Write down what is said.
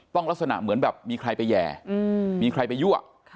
ลักษณะเหมือนแบบมีใครไปแย่มีใครไปยั่ว